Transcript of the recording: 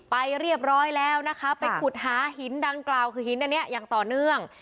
ไปเรียบร้อยแล้วนะคะไปขุดหาหินดังกล่าวคือหินอันนี้อย่างต่อเนื่อง